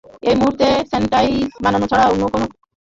এই মূহুর্তে স্যান্ডউইচ বানানো ছাড়া তোমার জন্য আর কিছু করতে পারবো না।